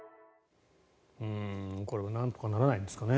これはなんとかならないんですかね。